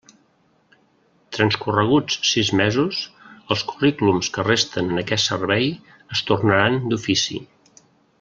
Transcorreguts sis mesos, els currículums que resten en aquest Servei es tornaran d'ofici.